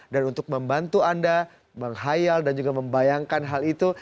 dan untuk membantu anda menghayal dan juga membayangkan hal itu